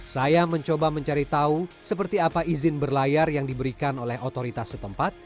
saya mencoba mencari tahu seperti apa izin berlayar yang diberikan oleh otoritas setempat